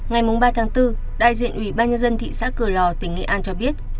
ngày ba bốn đại diện ủy ban nhân dân thị xã cửa lò tỉnh nghệ an cho biết